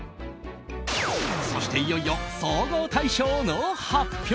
そして、いよいよ総合大賞の発表。